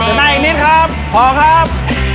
ถึงหน้ายังนิดครับขอครับ